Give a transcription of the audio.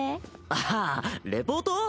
あっレポート？